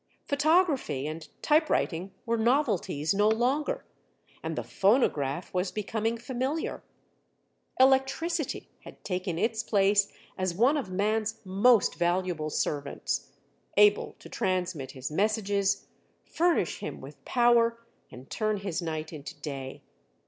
Photography and typewriting were novelties no longer, and the phonograph was becoming familiar. Electricity had taken its place as one of man's most valuable servants, able to transmit his messages, furnish him with power, and turn his night into day.